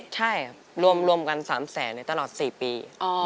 ใช่ครับรวมกัน๓แสนตลอด๔ปี